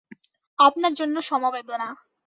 আপনার জন্য সমবেদনা।